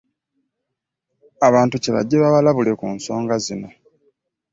Abantu kye bajje babalabule ku nsonga zino.